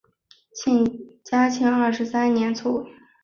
嘉庆二十三年卒。